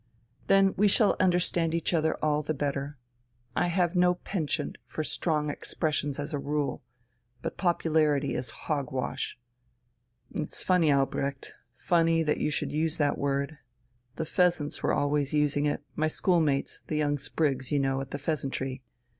"Then we shall understand each other all the better. I have no penchant for strong expressions as a rule. But popularity is hog wash." "It's funny, Albrecht. Funny that you should use that word. The 'Pheasants' were always using it my schoolmates, the young sprigs, you know, at the 'Pheasantry.'